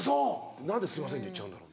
何ですいませんって言っちゃうんだろう？